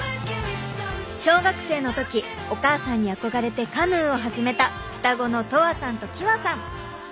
小学生の時お母さんに憧れてカヌーを始めた双子のとわさんときわさん。